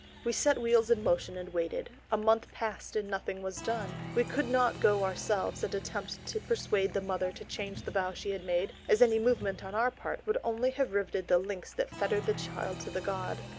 We set wheels in motion, and waited. A month passed and nothing was done. We could not go ourselves and attempt to persuade the mother to change the vow she had made, as any movement on our part would only have riveted the links that fettered the child to the god.